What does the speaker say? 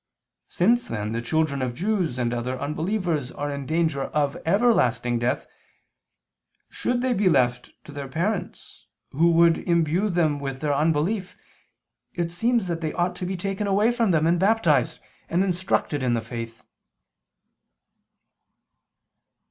Since, then, the children of Jews and other unbelievers are in danger of everlasting death, should they be left to their parents who would imbue them with their unbelief, it seems that they ought to be taken away from them and baptized, and instructed in the faith.